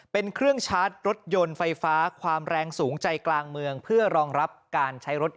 เป็นเครื่องชาร์จรถยนต์ไฟฟ้าความแรงสูงใจกลางเมืองเพื่อรองรับการใช้รถ